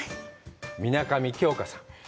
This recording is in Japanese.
水上京香さん。